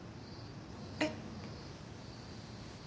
えっ？